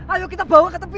ayo kita bawa ke tepi yuk